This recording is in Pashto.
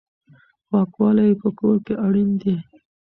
پاکوالی په کور کې اړین دی.